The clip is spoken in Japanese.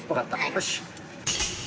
よし。